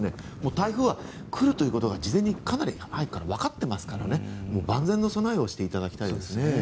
台風は来るということはかなり早くから事前に分かっていますから万全の備えをしてもらいたいですね。